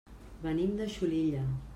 Venim de Xulilla.